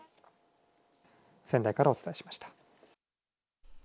仙台からお伝えしました。